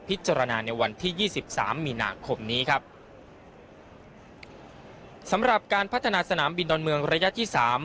ในวันที่ยี่สิบสามมีนาคมนี้ครับสำหรับการพัฒนาสนามบินดอนเมืองระยะที่สาม